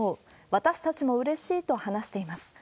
私たちもうれしいと話しています。